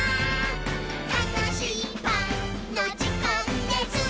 「たのしいパンのじかんです！」